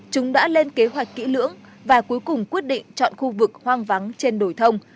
chúng đã lên kế hoạch kỹ lưỡng và cuối cùng quyết định chọn khu vực hoang vắng trên đồi thông